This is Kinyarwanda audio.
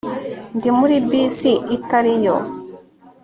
Ndi muri bisi itari yo